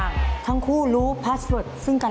รักที่สุด